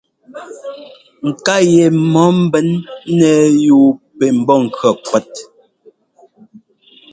Ŋká yɛ mɔ ḿbɛn ńnɛ́ɛ yúu pɛ mbɔ́ŋkʉɔ́ ŋ́kwɛ́t.